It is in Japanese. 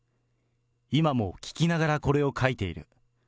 今も聴きながらこれを書いている。